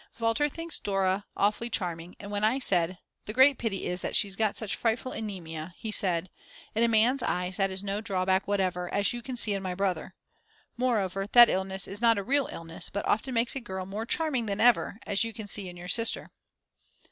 Walter thinks Dora awfully charming, and when I said: "The great pity is that she's got such frightful anemia," he said: In a man's eyes that is no drawback whatever, as you can see in my brother. Moreover, that illness is not a real illness, but often makes a girl more charming than ever, as you can see in your sister.